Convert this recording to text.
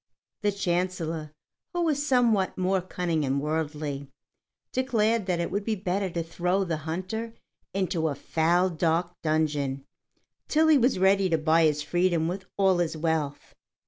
The Chancellor, who was somewhat more cunning and worldly, declared that it would be better to throw the hunter into a foul, dark dungeon till he was ready to buy his freedom with all his wealth.